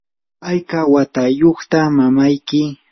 ¿hayka watayuqta mamayki?